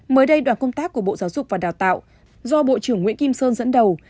mới đây đoàn công tác của bộ giáo dục và đào tạo do bộ trưởng nguyễn kim sơn dẫn đầu